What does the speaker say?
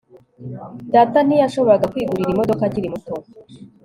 Data ntiyashoboraga kwigurira imodoka akiri muto